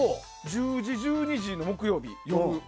１０時１２時の木曜日夜。